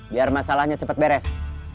biar masalahnya cepat beres